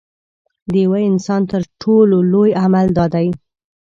د یوه انسان تر ټولو لوی عمل دا دی.